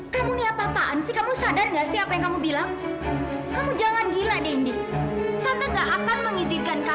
sampai jumpa di video selanjutnya